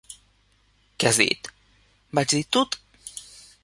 Que has dit? Vaig dir "Tut!"